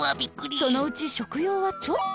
そのうち食用はちょっと。